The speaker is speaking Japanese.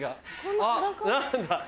あっ何だ？